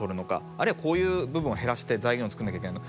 あるいはこういう部分を減らして財源を作んなきゃいけない。